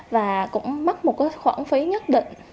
và cũng mắc một khoảng thời gian làm thủ tục này kia cũng khá là lâu